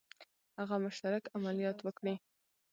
هغه مشترک عملیات وکړي.